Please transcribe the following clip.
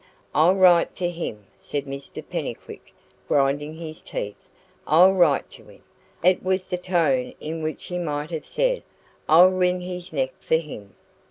"I'll write to him," said Mr Pennycuick, grinding his teeth "I'll write to him!" It was the tone in which he might have said, "I'll wring his neck for him!"